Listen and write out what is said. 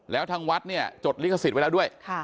แล้วทางวัดเนี่ยจดลิขสิทธิ์ไว้แล้วด้วย